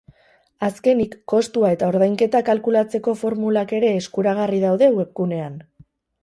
Azkenik, kostua eta ordainketa kalkulatzeko formulak ere eskuragarri daude webgunean.